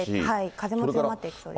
風も強まっていきそうです。